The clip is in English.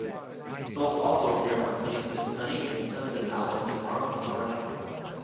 Stoltz also appeared on Sonny Smith's Sonny and the Sunsets album "Tomorrow is Alright".